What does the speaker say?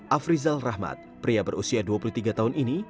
afrizal rahmat pria berusia dua puluh tiga tahun ini